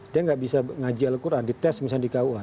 dia nggak bisa ngaji al quran dites misalnya di kua